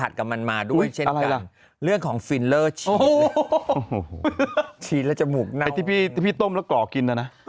ใช่เหรอใช่ไหมตอนนั้นน่ะ